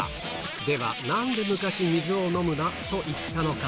では、なんで昔、水を飲むなと言ったのか。